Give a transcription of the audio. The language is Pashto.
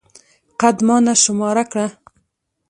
قدمانه شماره کړه.